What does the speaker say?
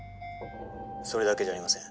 それだけじゃありません。